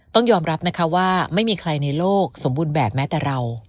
ต้องยอมรับนะคะว่าไม่มีใครในโลกสมบูรณ์แบบแม้แต่เรา